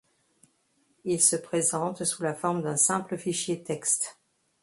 Il se présente sous la forme d'un simple fichier texte.